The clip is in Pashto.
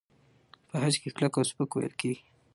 په خج کې کلک او سپک وېل کېږي.